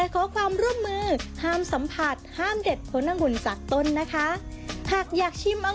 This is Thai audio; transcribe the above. ก็จะเปิดให้เข้าชมไหนแล้วปรับหมดรอได้เลยค่ะ